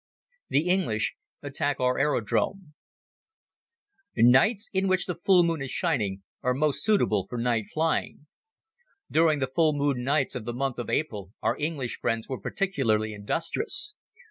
The English Attack Our Aerodrome NIGHTS in which the full moon is shining are most suitable for night flying. During the full moon nights of the month of April our English friends were particularly industrious.